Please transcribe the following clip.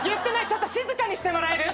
ちょっと静かにしてもらえる！？